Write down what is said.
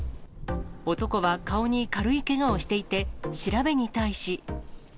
男は顔に軽いけがをしていて、調べに対し。